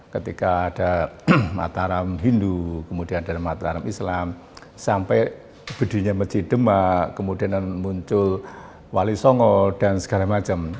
ketika ada mataram hindu kemudian ada mataram islam sampai berdirinya masjid demak kemudian muncul wali songo dan segala macam